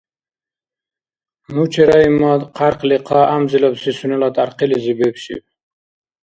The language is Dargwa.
Ну чераибмад, хъярхъли хъа гӀямзилабси сунела тӀярхъилизи бебшиб.